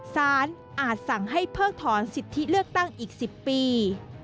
อาจสั่งให้เพิกถอนสิทธิเลือกตั้งอีก๑๐ปี